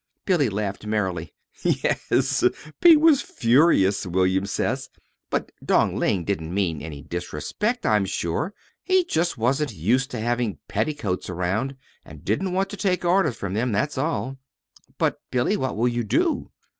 Billy laughed merrily. "Yes; Pete was furious, William says, but Dong Ling didn't mean any disrespect, I'm sure. He just wasn't used to having petticoats around, and didn't want to take orders from them; that's all." "But, Billy, what will you do?"